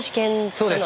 そうです。